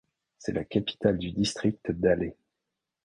C'est la capitale du district d'Alay.